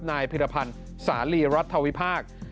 นายพิรพันธ์สาลีรัฐธวิพาค